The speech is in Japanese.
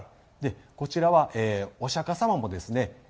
こちらはお釈迦様もですね